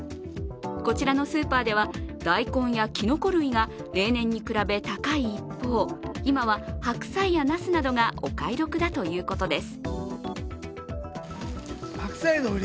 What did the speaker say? こちらのスーパーでは、大根やきのこ類が例年に比べ高い一方、今は、白菜やなすなどがお買い得だということです。